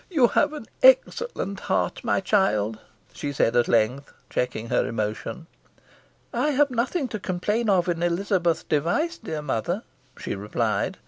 "You have an excellent heart, my child," she said at length, checking her emotion. "I have nothing to complain of in Elizabeth Device, dear mother," she replied.